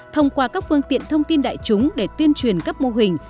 thông qua các phương tiện thông tin đại chúng để tuyên truyền các mô hình